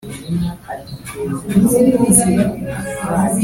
Birakwiye kurimbura burundu ibinyabuzima by’ibyaduka